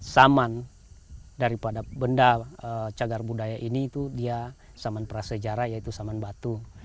saman daripada benda cagar budaya ini itu dia saman prasejarah yaitu saman batu